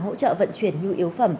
hỗ trợ vận chuyển nhu yếu phẩm